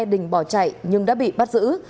đình bỏ chạy nhưng đã bị bắt giữ